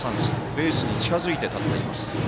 ベースに近づいて立っています。